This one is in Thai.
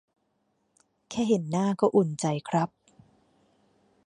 แค่เห็นหน้าก็อุ่นใจครับ